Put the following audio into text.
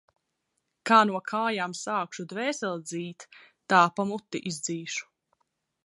Kā no kājām sākšu dvēseli dzīt, tā pa muti izdzīšu.